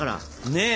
ねえ。